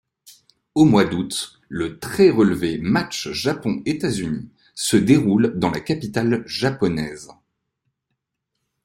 Au mois d'août, le très relevé match Japon–États-Unis se déroule dans la capitale japonaise.